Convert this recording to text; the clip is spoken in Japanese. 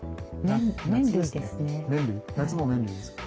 夏も麺類ですか？